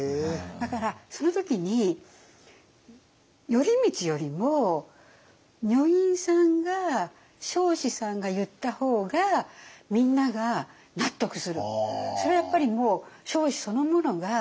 だからその時に頼通よりも女院さんが彰子さんが言った方がみんなが納得する。